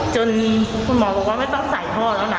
คุณหมอบอกว่าไม่ต้องใส่ท่อแล้วนะ